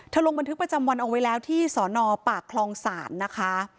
ลงบันทึกประจำวันเอาไว้แล้วที่สอนอปากคลองศาลนะคะ